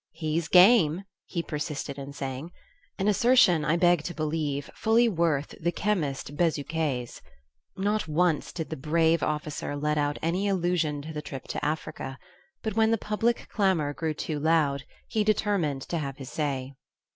"He's game!" he persisted in saying an assertion, I beg to believe, fully worth the chemist Bezuquet's. Not once did the brave officer let out any allusion to the trip to Africa; but when the public clamour grew too loud, he determined to have his say.